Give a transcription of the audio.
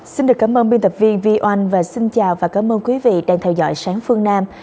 xin được cảm ơn biên tập viên vi oanh và xin chào và cảm ơn quý vị đang theo dõi sáng phương nam